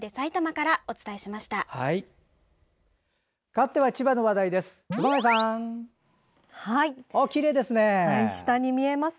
かわっては千葉の話題です。